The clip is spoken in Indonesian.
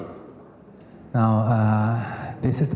maka saya akan memulai dengan prosedur dari otopsi